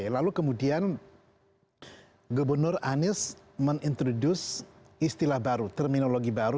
lalu kemudian gubernur anies menintroduce istilah baru terminologi baru